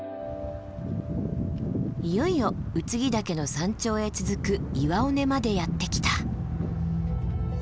いよいよ空木岳の山頂へ続く岩尾根までやって来た。